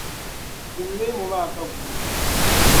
Dim leemu maa ka guugi.